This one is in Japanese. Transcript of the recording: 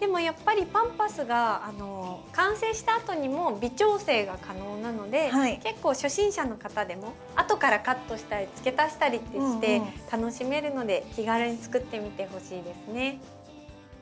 でもやっぱりパンパスが完成したあとにも微調整が可能なので結構初心者の方でも後からカットしたりつけ足したりってして楽しめるので気軽に作ってみてほしいですね。